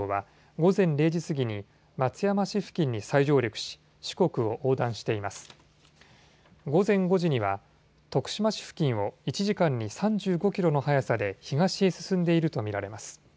午前５時には徳島市付近を１時間に３５キロの速さで東へ進んでいるとみられます。